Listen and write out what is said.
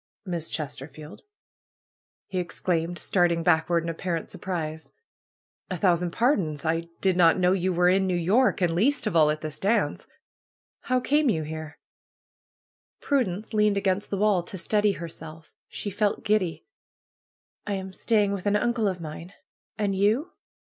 ^'Miss Chesterfield!'' he exclaimed, starting back ward in apparent surprise. A thousand pardons ! I did not know you were in New York, and least of all at this dance How came you here?" Prudence leaned against the wall to steady herself. She felt giddy. am staying with an uncle of mine. And you?"